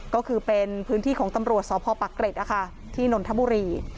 ก็คือเป็นพื้นที่ของตำรวจสพปักเกร็ดที่นนทบุรี